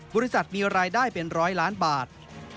บริษัทมีรายได้เป็นร้อยล้านบาท